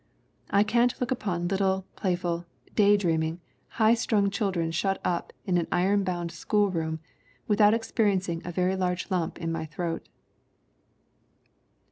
I can't look upon little, playful, day dreaming, high strung children shut up in an ironbound schoolroom without experiencing a very large lump in my throat."